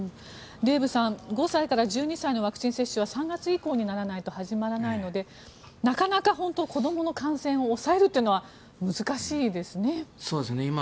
デーブさん、５歳から１２歳のワクチン接種は３月以降にならないと始まらないのでなかなか子どもの感染を抑えるのは難しいですね。